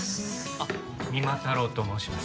あっ三馬太郎と申します。